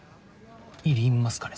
いりますかね？